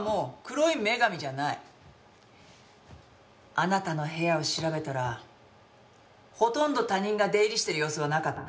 あなたの部屋を調べたらほとんど他人が出入りしてる様子はなかった。